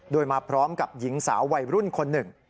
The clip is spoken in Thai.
โดยมาพร้อมกับหญิงสาววัยรุ่นคนหนึ่ง